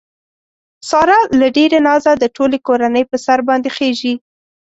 ساره له ډېره نازه د ټولې کورنۍ په سر باندې خېژي.